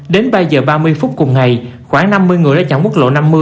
đến ba h ba mươi phút cùng ngày khoảng năm mươi người ra chặng quốc lộ năm mươi